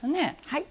はい。